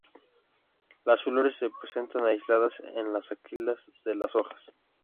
Las flores se presentan aisladas en las axilas de las hojas.